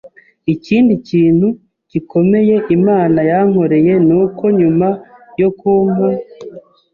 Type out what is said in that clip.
Ikindi kintu gikomeye Imana yankoreye nuko nyuma yo kumpa